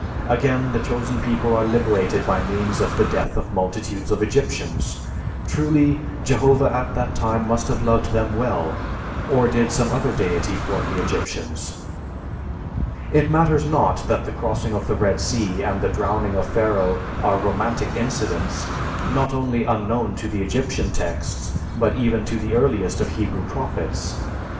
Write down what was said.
Again the Chosen People are liberated by means of the death of multitudes of Egyptians. Truly, Jehovah at that time must have loved them well, or did some other Deity form the Egyptians? It matters not that the crossing of the Red Sea and the drowning of Pharaoh are romantic incidents, not only unknown to the Egyptian texts, but even to the earliest of Hebrew prophets.